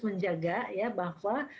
menjaga ya bahwa